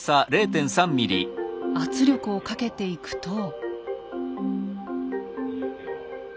圧力をかけていくと。